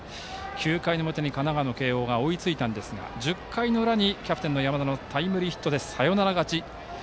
９回の表に神奈川の慶応高校が追いついたんですが１０回の裏にキャプテンの山田のタイムリーヒットでサヨナラ勝ち。